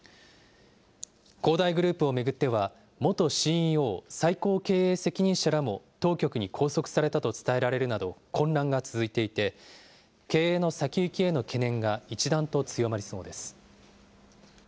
恒大グループを巡っては、元ＣＥＯ・最高経営責任者らも当局に拘束されたと伝えられるなど、混乱が続いていて、経営の先行きへの懸念が一段と強まりそうです。